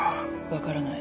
分からない。